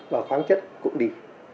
và khoáng chất cũng đi